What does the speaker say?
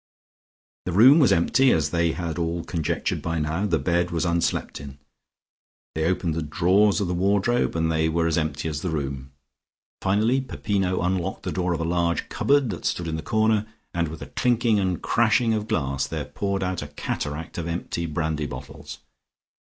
The room was empty, and as they had all conjectured by now, the bed was unslept in. They opened the drawers of the wardrobe and they were as empty as the room. Finally, Peppino unlocked the door of a large cupboard that stood in the corner, and with a clinking and crashing of glass there poured out a cataract of empty brandy bottles.